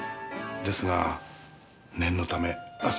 ですが念のため明日